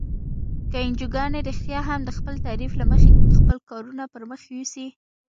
که انجوګانې رښتیا هم د خپل تعریف له مخې خپل کارونه پرمخ یوسي.